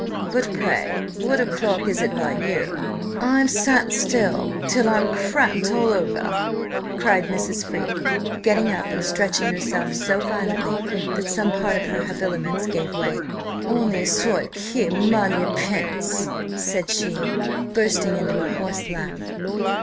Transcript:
But pray, what o'clock is it by you? I've sat till I'm cramped all over," cried Mrs. Freke, getting up and stretching herself so violently that some part of her habiliments gave way. "Honi soit qui mal y pense!" said she, bursting into a horse laugh.